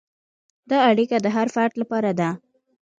دا اړیکه د هر فرد لپاره ده.